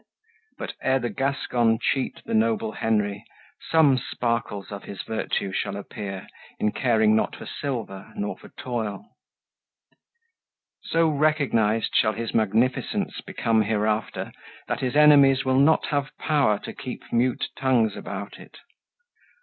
But ere the Gascon cheat the noble Henry, Some sparkles of his virtue shall appear In caring not for silver nor for toil. So recognized shall his magnificence Become hereafter, that his enemies Will not have power to keep mute tongues about it.